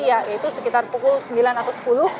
yaitu sekitar pukul sembilan atau sepuluh